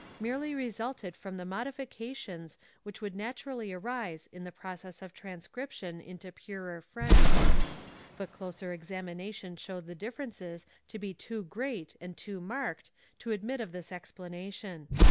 merely resulted from the modifications which would naturally arise in the process of transcription into purer French. But closer examination showed the .differences to be too great and too marked to admit of this explanation.